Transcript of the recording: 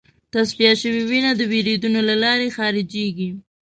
تصفیه شوې وینه د وریدونو له لارې خارجېږي.